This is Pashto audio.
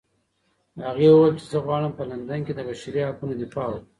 هغې وویل چې زه غواړم په لندن کې د بشري حقونو دفاع وکړم.